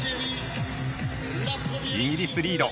イギリスリード。